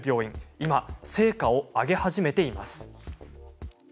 今、成果を挙げ始めています。